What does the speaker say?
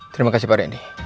terima kasih pak reddy